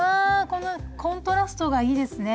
このコントラストがいいですね。